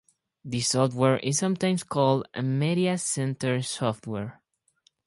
The software is sometimes called "Media Center Software".